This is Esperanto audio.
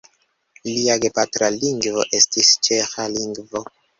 Lia gepatra lingvo estis ĉeĥa lingvo.